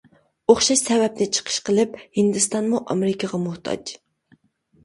ئوخشاش سەۋەبنى چىقىش قىلىپ ھىندىستانمۇ ئامېرىكىغا موھتاج.